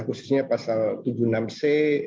khususnya pasal tujuh puluh enam c